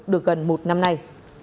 được gần một năm nay